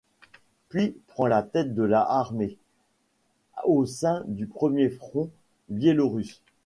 Puis prend la tête de la Armée, au sein du premier front biélorusse.